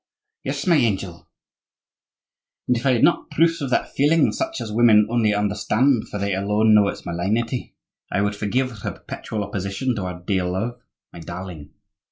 "Yes, my angel; and if I had not proofs of that feeling such as women only understand, for they alone know its malignity, I would forgive her perpetual opposition to our dear love, my darling.